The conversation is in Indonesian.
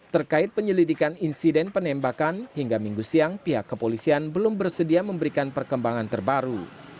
terkait penyelidikan insiden penembakan hingga minggu siang pihak kepolisian belum bersedia memberikan perkembangan terbaru